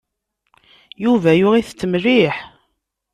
Yuba yuɣ-itent mliḥ.